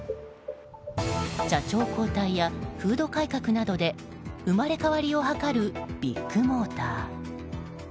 社長交代や風土改革などで生まれ変わりを図るビッグモーター。